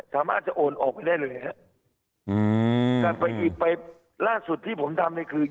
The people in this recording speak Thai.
สามารถจะโอนออกไปได้เลยฮะอืมแต่ไปอีกไปล่าสุดที่ผมทำเนี่ยคือ